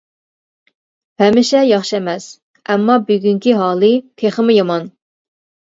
-ھەمىشە ياخشى ئەمەس، ئەمما بۈگۈنكى ھالى تېخىمۇ يامان.